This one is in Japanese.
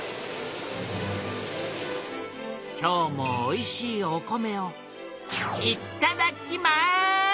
今日もおいしいお米をいただきます！